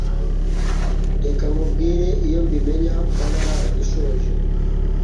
reka nkubwire iyo mbimenya mba narabishoje